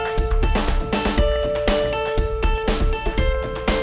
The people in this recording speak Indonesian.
gua tau kalo gak amat